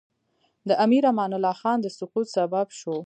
د امیر امان الله خان د سقوط سبب شو.